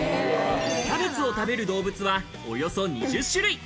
キャベツを食べる動物はおよそ２０種類。